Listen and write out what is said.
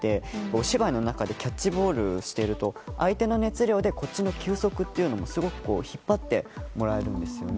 お芝居の中でキャッチボールしていると相手の熱量でこっちの球速というのもすごく引っ張ってもらえるんですよね。